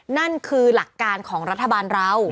นั่นคือหลักการของรัฐบาลเรา